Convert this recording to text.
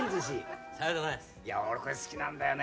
俺好きなんだよね。